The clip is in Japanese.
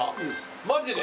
マジで！？